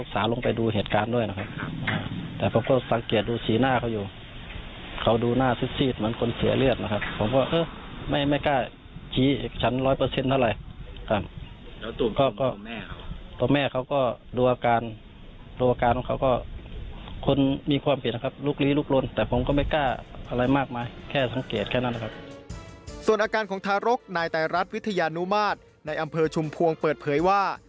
ส่วนอาการของทารกนายไตรัสวิทยานุมาตรในอำเภอชุมพวงเปิดเผยว่า